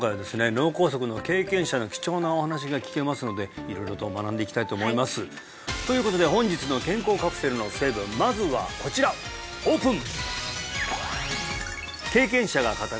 脳梗塞の経験者の貴重なお話が聞けますので色々と学んでいきたいと思いますということで本日の健康カプセルの成分まずはこちらオープン！